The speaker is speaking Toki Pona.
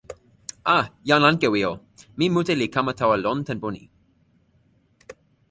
a, jan Ankewi o, mi mute li kama tawa lon tenpo ni.